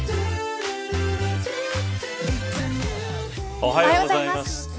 おはようございます。